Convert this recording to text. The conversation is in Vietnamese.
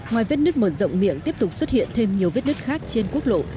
ngoài vết nứt mở rộng miệng tiếp tục xuất hiện thêm nhiều vết nứt khác trên quốc lộ